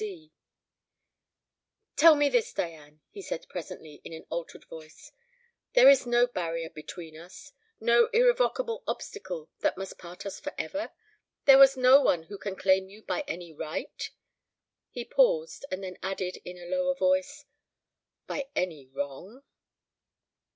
"Tell me this, Diane," he said presently, in an altered voice; "there is no barrier between us no irrevocable obstacle that must part us for ever? There is no one who can claim you by any right " He paused; and then added, in a lower voice, "by any wrong?"